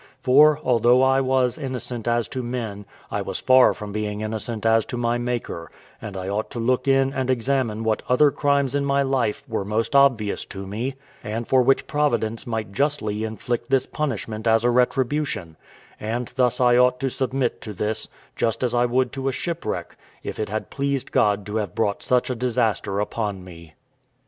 For, although I was innocent as to men, I was far from being innocent as to my Maker; and I ought to look in and examine what other crimes in my life were most obvious to me, and for which Providence might justly inflict this punishment as a retribution; and thus I ought to submit to this, just as I would to a shipwreck, if it had pleased God to have brought such a disaster upon me.